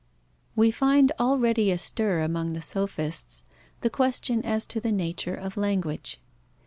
We find already astir among the sophists the question as to the nature of language.